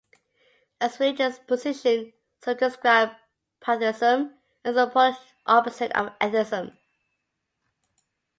As a religious position, some describe pantheism as the polar opposite of atheism.